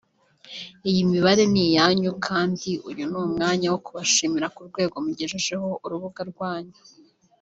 Iyi mibare ni iyanyu kandi uyu ni umwanya wo kubashima ku rwego mugejejeho urubuga rwanyu